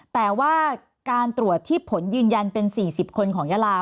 แต่ว่าการตรวจที่ผลยืนยันเป็น๔๐คนของยาลา